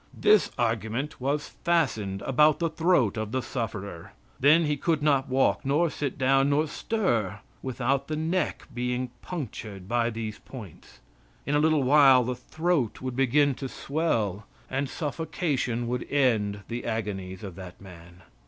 This argument was fastened about the throat of the sufferer. Then he could not walk nor sit down, nor stir without the neck being punctured by these points. In a little while the throat would begin to swell, and suffocation would end the agonies of that man.